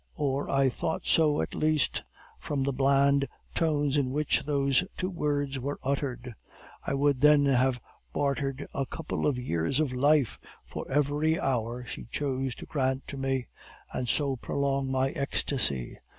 or I thought so at least, from the bland tones in which those two words were uttered. I would then have bartered a couple of years of life for every hour she chose to grant to me, and so prolong my ecstasy.